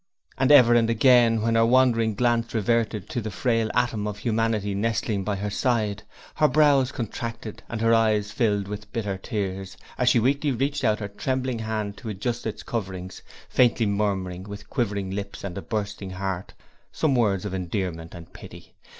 And ever and again, when her wandering glance reverted to the frail atom of humanity nestling by her side, her brows contracted and her eyes filled with bitter tears, as she weakly reached out her trembling hand to adjust its coverings, faintly murmuring, with quivering lips and a bursting heart, some words of endearment and pity.